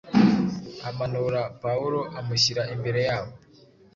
amanura Pawulo, amushyira imbere yabo.”